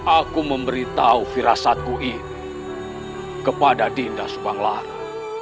aku memberitahu firasatku ini kepada dinda subang lara